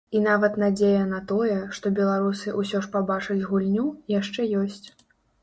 І нават надзея на тое, што беларусы ўсё ж пабачаць гульню, яшчэ ёсць.